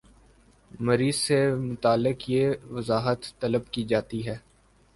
مریض سے متعلق یہ وضاحت طلب کی جاتی ہے